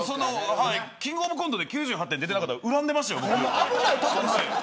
キングオブコントで９８点が出てなかったら恨んでましたよ。